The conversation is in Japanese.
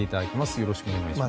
よろしくお願いします。